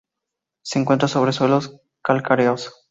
Se encuentra sobre suelos calcáreos.